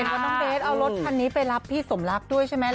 ว่าน้องเบสเอารถคันนี้ไปรับพี่สมรักด้วยใช่ไหม